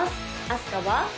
あすかは？